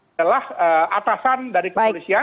adalah atasan dari kepolisian